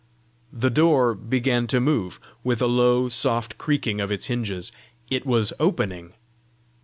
The door began to move with a low, soft creaking of its hinges. It was opening!